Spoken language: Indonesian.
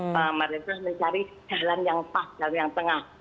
pak marianto mencari jalan yang pas jalan yang tengah